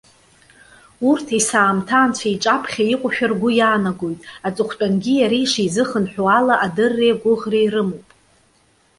Урҭ есаамҭа Анцәа иҿаԥхьа иҟоушәа ргәы иаанагоит. Аҵыхәтәангьы иара ишизыхынҳәуа ала адырреи агәыӷреи рымоуп.